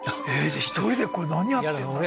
じゃあ１人でこれ何やってんだろう？